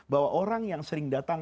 bahwa orang yang sering datang